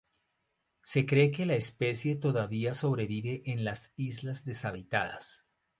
Se cree que la especie todavía sobrevive en las islas deshabitadas.